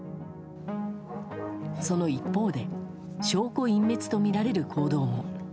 その一方で証拠隠滅とみられる行動も。